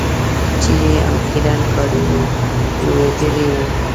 چېرې او خیرن کالي مو لوېدلي وو.